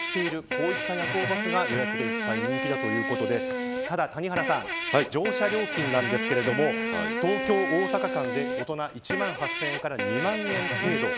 こういった夜行バスが予約でいっぱい人気だということでただ、谷原さん乗車料金なんですが東京、大阪間で大人１万８０００円から２万円程度。